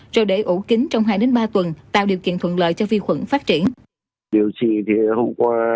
rồi để ủ kính trong hai ba tuần tạo điều kiện thuận lợi cho vi khuẩn phát triển